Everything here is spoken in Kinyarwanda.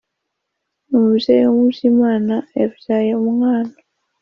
Umubyeyi womubyimana yabyabye umwana